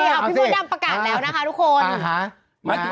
เออเดี๋ยวพี่มดำประกาศแล้วนะคะทุกคน